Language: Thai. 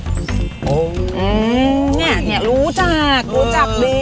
นี่รู้จักรู้จักดี